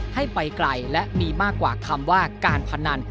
ให้ไปไกลและมีมากกว่าคำว่าการพนัน